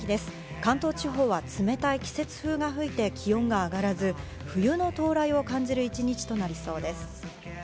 関東地方は冷たい季節風が吹いて、気温が上がらず、冬の到来を感じる一日となりそうです。